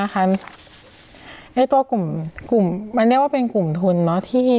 ในตัวกลุ่มมันเรียกว่าเป็นกลุ่มทุน